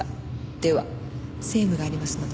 では政務がありますので。